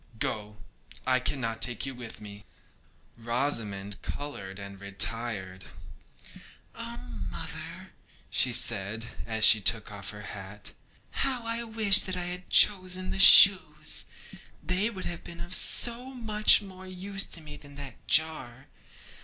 Go; I cannot take you with me.' Rosamond coloured and retired. 'Oh, mother,' said she, as she took off her hat, 'how I wish that I had chosen the shoes! They would have been of so much more use to me than that jar.